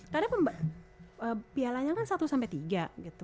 karena pialanya kan satu sampai tiga gitu